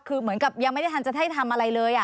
คือเหมือนกับยังไม่ได้ทันจะให้ทำอะไรเลย